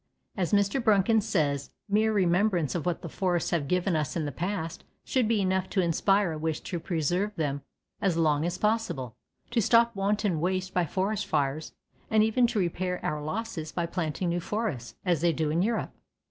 As Mr. Bruncken says, mere remembrance of what the forests have given us in the past should be enough to inspire a wish to preserve them as long as possible, to stop wanton waste by forest fires, and even to repair our losses by planting new forests, as they do in Europe.